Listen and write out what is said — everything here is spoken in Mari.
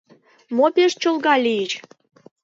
— Мо пеш чолга лийыч?